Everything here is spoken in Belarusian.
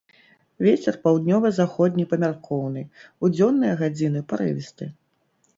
Вецер паўднёва-заходні памяркоўны, у дзённыя гадзіны парывісты.